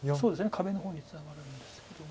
壁の方にツナがるんですけども。